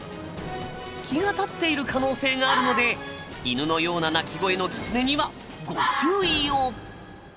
気が立っている可能性があるので犬のような鳴き声のキツネにはご注意を！